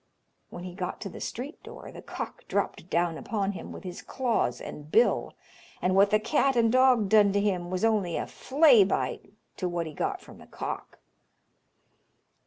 When he got to the street door, the cock dropped down upon him with his claws and bill, and what the cat and dog done to him was only a flay bite to what he got from the cock.